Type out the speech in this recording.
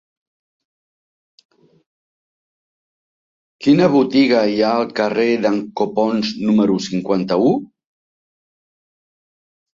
Quina botiga hi ha al carrer d'en Copons número cinquanta-u?